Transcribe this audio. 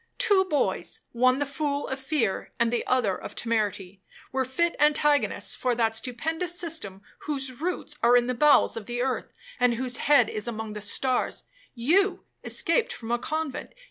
Two boys, one the fool of fear, and the other of temerity, were fit antagonists for that stupendous system, whose roots are in the bowels of the earth, and whose head is among the stars,—you escape from a convent!